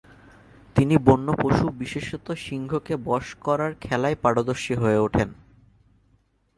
তিনি বন্য পশু বিশেষতঃ সিংহকে বশ করার খেলায় পারদর্শী হয়ে ওঠেন।